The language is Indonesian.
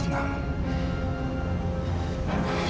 terima kasih nana